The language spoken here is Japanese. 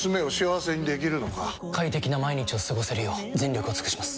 快適な毎日を過ごせるよう全力を尽くします！